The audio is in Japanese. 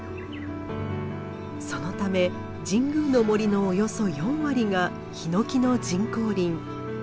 そのため神宮の森のおよそ４割がヒノキの人工林。